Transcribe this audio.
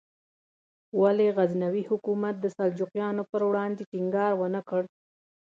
ولې غزنوي حکومت د سلجوقیانو پر وړاندې ټینګار ونکړ؟